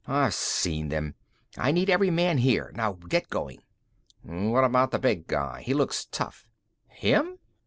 I've seen them. I need every man here; now get going." "What about the big guy? He looks tough." "Him?